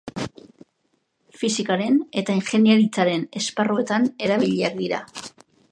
Fisikaren eta ingeniaritzaren esparruetan erabiliak dira.